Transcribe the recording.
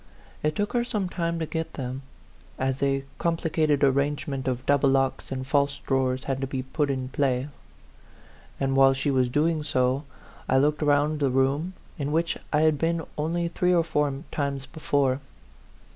It took her some time to get them, as a complicated arrangement of double locks and false draw ers had to be put in play ; and, while she was doing so, I looked round the room, in which I had been only three or four times before.